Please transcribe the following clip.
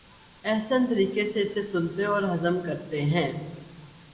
احسن طریقے سے اسے سنتے اور ہضم کرتے ہیں۔